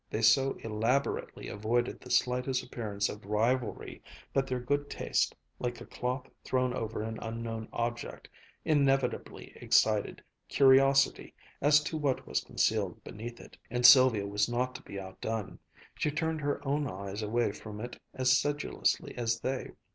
They so elaborately avoided the slightest appearance of rivalry that their good taste, like a cloth thrown over an unknown object, inevitably excited curiosity as to what was concealed beneath it. And Sylvia was not to be outdone. She turned her own eyes away from it as sedulously as they.